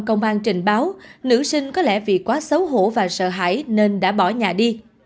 công an trình báo nữ sinh có lẽ vì quá xấu hổ và sợ hãi nên đã bỏ nhà đi